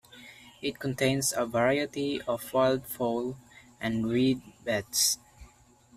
It contains a variety of wildfowl and reedbeds.